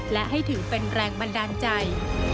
และให้ถือเป็นแรงบันดาลใจ